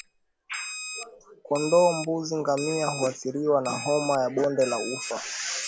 Kondoo mbuzi na ngamia huathiriwa na homa ya bonde la ufa